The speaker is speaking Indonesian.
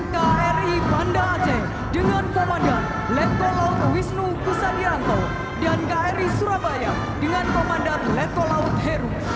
kri bandar aceh dengan komandan leto laut wisnu kusagiranto dan kri surabaya dengan komandan leto laut heru